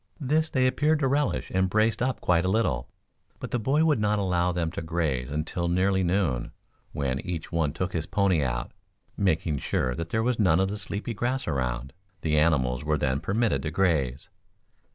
This they appeared to relish and braced up quite a little. But the boy would not allow them to graze until nearly noon, when each one took his pony out, making sure that there was none of the sleepy grass around. The animals were then permitted to graze.